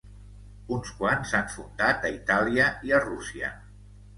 Uns quants s'han fundat a Itàlia i a Rússia.